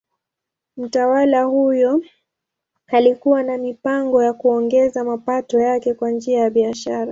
Mtawala huyo alikuwa na mipango ya kuongeza mapato yake kwa njia ya biashara.